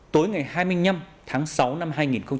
tối ngày hai mươi năm tháng sáu năm hai nghìn một mươi tám